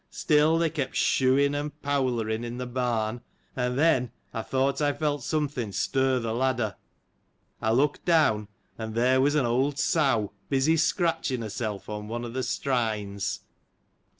Still, they kept shoohing and powlering in the barn, and then, I thought I felt something stir the ladder. I looked down, and there was an old sow busy scratching herself on one of the strines.